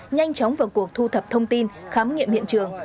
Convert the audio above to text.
nhanh chóng vào cuộc thu thập thông tin khám nghiệm hiện trường